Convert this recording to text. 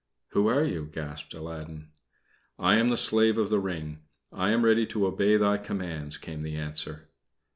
"Who are you?" gasped Aladdin. "I am the slave of the ring. I am ready to obey thy commands," came the answer.